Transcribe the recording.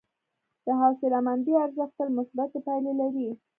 د حوصلهمندي ارزښت تل مثبتې پایلې لري.